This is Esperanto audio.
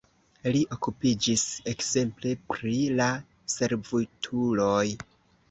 Li okupiĝis ekzemple pri la servutuloj.